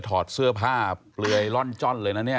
ถอดเสื้อผ้าเปลือยร่อนจ้อนเลยนะเนี่ย